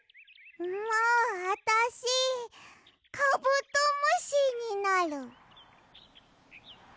もうあたしカブトムシになる。